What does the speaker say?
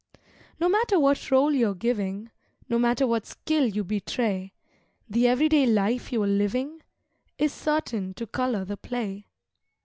No matter what role you are giving, No matter what skill you betray, The everyday life you are living, Is certain to color the play.